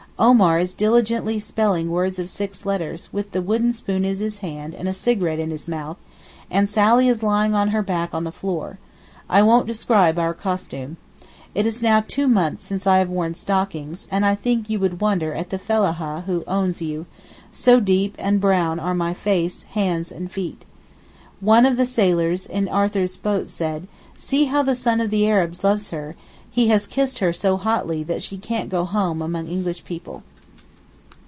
Omar is diligently spelling words of six letters, with the wooden spoon in his hand and a cigarette in his mouth, and Sally is lying on her back on the floor. I won't describe our costume. It is now two months since I have worn stockings, and I think you would wonder at the fellaha who 'owns you,' so deep a brown are my face, hands and feet. One of the sailors in Arthur's boat said: 'See how the sun of the Arabs loves her; he has kissed her so hotly that she can't go home among English people.